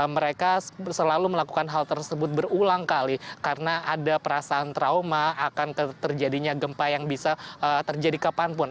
mereka selalu melakukan hal tersebut berulang kali karena ada perasaan trauma akan terjadinya gempa yang bisa terjadi kapanpun